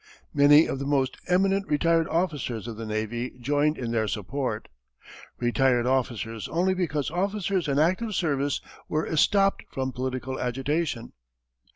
Many of the most eminent retired officers of the navy joined in their support. Retired officers only because officers in active service were estopped from political agitation.